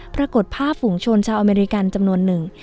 ปรากฏภาพฝูงชนชาวอเมริกันจำนวนหนึ่ง